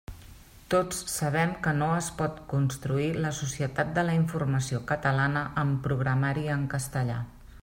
Tots sabem que no es pot construir la Societat de la Informació catalana amb programari en castellà.